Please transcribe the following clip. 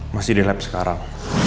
masih di lab sekarang